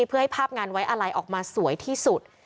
เพื่อให้ภาพงานไว้อะไรออกมาสวยที่สุด